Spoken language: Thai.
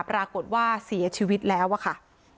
ปรากฏว่าเสียชีวิตแล้วอะค่ะ